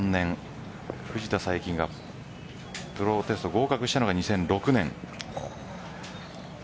藤田さいきがプロテストを合格したのは２００６年。